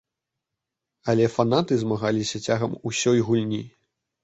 Але фанаты змагаліся цягам усёй гульні.